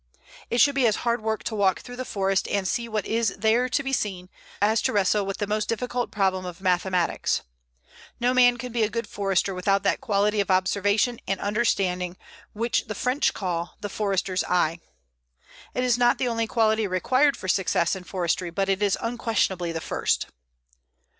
It should be as hard work to walk through the forest, and see what is there to be seen, as to wrestle with the most difficult problem of mathematics. No man can be a good Forester without that quality of observation and understanding which the French call "the forester's eye." It is not the only quality required for success in forestry, but it is unquestionably the first.